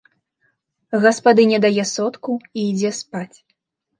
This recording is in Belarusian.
Гаспадыня дае сотку і ідзе спаць.